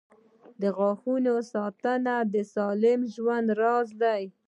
• د غاښونو ساتنه د سالم ژوند راز دی.